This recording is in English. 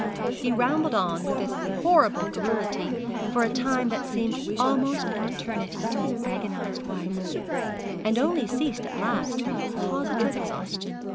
He rambled on with this horrible garrulity for a time that seemed almost an eternity to his agonised wife, and only ceased at last from positive exhaustion.